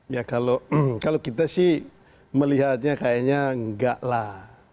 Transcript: ya kalau kita sih melihatnya kayaknya enggak lah